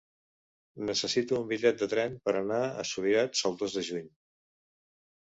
Necessito un bitllet de tren per anar a Subirats el dos de juny.